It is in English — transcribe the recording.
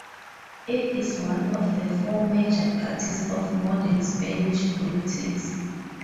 It is one of the four major parties of modern Spanish politics.